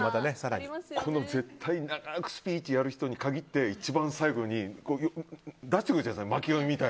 長いスピーチをやる人に限って一番最後に出してくるじゃないですか。